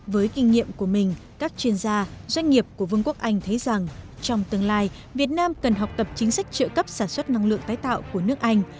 với kinh nghiệm của mình các chuyên gia doanh nghiệp của vương quốc anh thấy rằng trong tương lai việt nam cần học tập chính sách trợ cấp sản xuất năng lượng tái tạo của nước anh